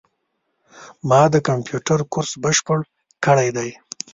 ما د کامپیوټر کورس بشپړ کړی ده